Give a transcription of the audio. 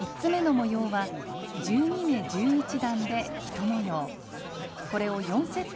３つめの模様は１２目×１１段で１模様。